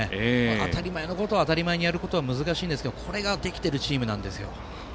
当たり前のことを当たり前にやることは難しいんですがこれができているチームなんですよ。